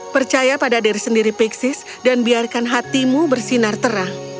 percaya pada diri sendiri pixes dan biarkan hatimu bersinar terang